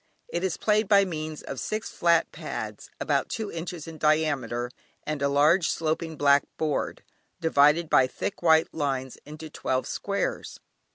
It is played by means of six flat pads, about two inches in diameter, and a large sloping black board, divided by thick white lines into twelve squares.